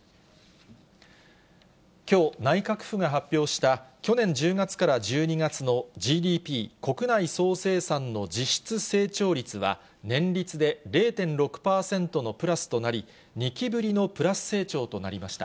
きょう、内閣府が発表した、去年１０月から１２月のＧＤＰ・国内総生産の実質成長率は年率で０．６％のプラスとなり、２期ぶりのプラス成長となりました。